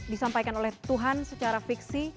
disampaikan oleh tuhan secara fiksi